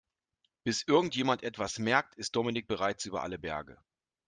Bis irgendjemand etwas merkt, ist Dominik bereits über alle Berge.